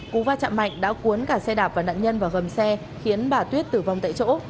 cú va chạm mạnh đã cuốn cả xe đạp và nạn nhân vào gầm xe khiến bà tuyết tử vong tại chỗ